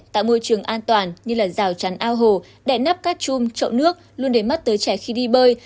tại môi trường an toàn như là rào trán ao hồ đẻ nắp các chùm trộn nước luôn để mắt tới trẻ khi đi bơi